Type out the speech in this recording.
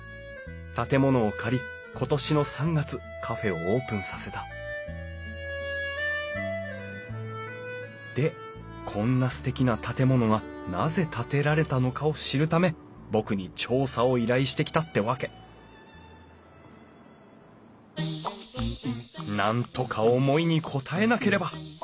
建物を借り今年の３月カフェをオープンさせたでこんなすてきな建物がなぜ建てられたのかを知るため僕に調査を依頼してきたってわけなんとか思いに応えなければ！